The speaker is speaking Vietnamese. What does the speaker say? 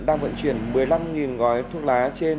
đang vận chuyển một mươi năm gói thuốc lá trên